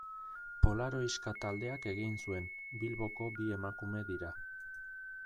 Polaroiska taldeak egin zuen, Bilboko bi emakume dira.